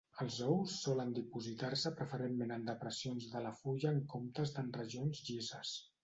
Els ous solen dipositar-se preferentment en depressions de la fulla en comptes d'en regions llises.